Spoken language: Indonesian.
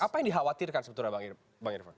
apa yang dikhawatirkan sebetulnya bang irvan